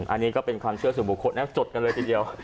อันนี้ก็เป็นความเชื่อสู่บุคคลนะจดกันเลยทีเดียว